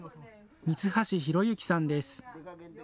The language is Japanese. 三橋弘行さんです。